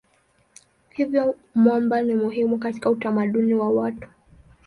Hivyo mwamba ni muhimu katika utamaduni wa watu.